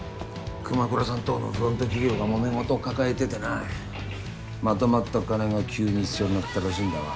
熊倉さんとこのフロント企業がもめ事抱えててなまとまった金が急に必要になったらしいんだわ。